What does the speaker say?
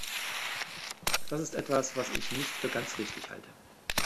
Das ist etwas, was ich nicht für ganz richtig halte.